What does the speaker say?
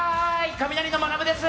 カミナリのまなぶです！